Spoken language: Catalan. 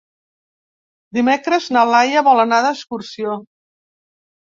Dimecres na Laia vol anar d'excursió.